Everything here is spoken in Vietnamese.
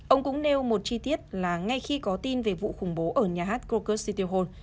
ông cũng nêu một chi tiết là ngay khi có tin về vụ khủng bố ở nhà hát krokus city hall